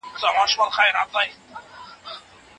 د کورنۍ دننه د هنر زده کړه څنګه کيده؟